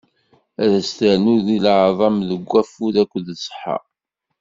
Ad as-ternu deg leɛḍam d wafud akked ṣṣeḥḥa.